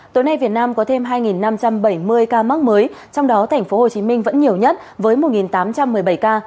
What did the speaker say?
tối nay việt nam có thêm hai năm trăm bảy mươi ca mắc mới trong đó tp hcm vẫn nhiều nhất với một tám trăm một mươi bảy ca